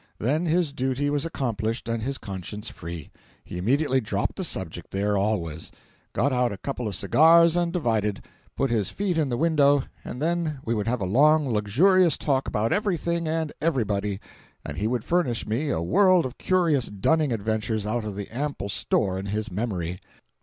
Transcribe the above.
Then his duty was accomplished and his conscience free. He immediately dropped the subject there always; got out a couple of cigars and divided, put his feet in the window, and then we would have a long, luxurious talk about everything and everybody, and he would furnish me a world of curious dunning adventures out of the ample store in his memory.